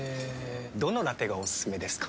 どのラテがおすすめですか？